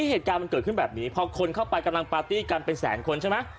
เหตุการณ์ขึ้นแบบนี้พอคนเข้าไปกำลังพาธีกันเป็นแสดงคนใช่ไหม